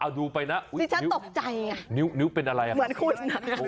เอาดูไปนะ๑๒๓๔๕๖นิ้วเป็นอะไรอ่ะยินดี